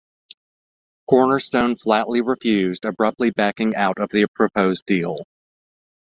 Cornerstone flatly refused, abruptly backing out of the proposed deal.